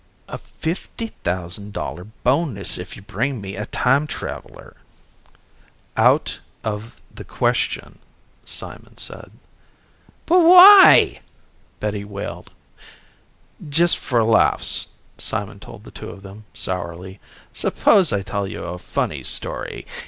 "A fifty thousand dollar bonus if you bring me a time traveler." "Out of the question," Simon said. "But why?" Betty wailed. "Just for laughs," Simon told the two of them sourly, "suppose I tell you a funny story.